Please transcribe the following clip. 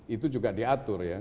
itu juga diatur ya